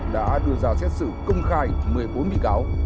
đã đưa ra xét xử công khai một mươi bốn bị cáo